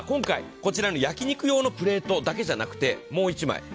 今回こちらの焼き肉用のプレートだけじゃなくてもう一枚。